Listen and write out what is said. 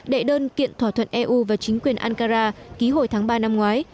đệ đơn kiện thỏa thuận eu và chính quyền ankara ký hồi tháng ba năm ngoái